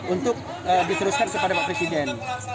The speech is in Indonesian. untuk diteruskan kepada pak presiden